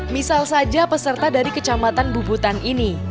misal saja peserta dari kecamatan bubutan ini